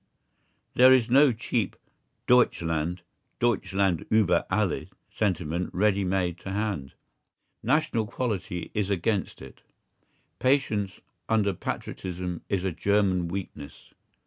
There is no cheap "Deutschland, Deutschland über alles" sentiment ready made to hand. National quality is against it. Patience under patriotism is a German weakness.